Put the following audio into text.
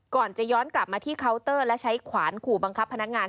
ก่อนจะย้อนกลับมาที่เคาน์เตอร์และใช้ขวานขู่บังคับพนักงาน